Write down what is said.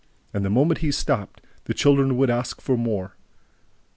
And, the moment he stopped, the children would ask for more.